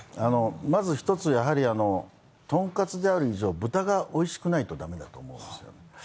まず一つやはりとんかつである以上豚がおいしくないとダメだと思うんですよ